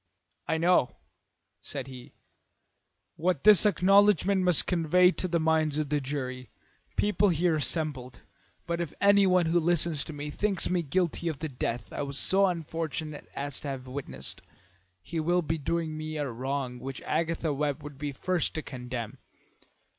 "I know," said he, "what this acknowledgment must convey to the minds of the jury and people here assembled. But if anyone who listens to me thinks me guilty of the death I was so unfortunate as to have witnessed, he will be doing me a wrong which Agatha Webb would be the first to condemn. Dr.